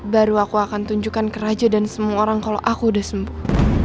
baru aku akan tunjukkan ke raja dan semua orang kalau aku udah sembuh